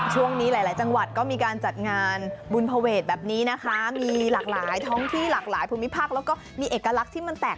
ช่วงนี้หลายหลายจังหวัดก็มีการจัดงานบุญภเวทแบบนี้นะคะมีหลากหลายท้องที่หลากหลายภูมิภักษ์